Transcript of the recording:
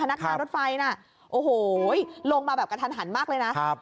นักการรถไฟน่ะโอ้โหลงมาแบบกระทันหันมากเลยนะ